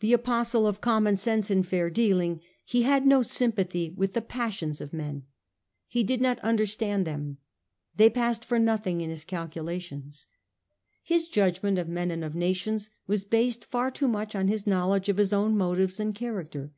The apostle of common sense and fair dealing, he had no sympa thy with the passions of men ; he did not understand them; they passed for nothing in his calculations. His judgment of men and of nations was based far too much on his knowledge of his own motives and character.